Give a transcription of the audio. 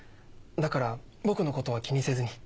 だから僕のことは気にせずに。